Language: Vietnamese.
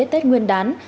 tết nguyên đán